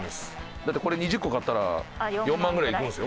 だってこれ２０個買ったら４万ぐらいいくんですよ